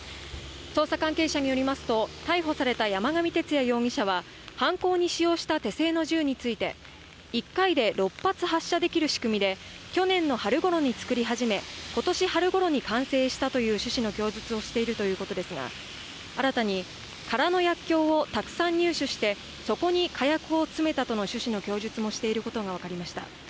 捜査関係者によりますと逮捕された山上徹也容疑者は犯行に使用した手製の銃について１回で六発発射できる仕組みで去年の春ごろに作り始めことし春ごろに完成したという趣旨の供述をしているということですが新たに空の薬きょうをたくさん入手してそこに火薬を詰めたとの趣旨の供述もしていることが分かりました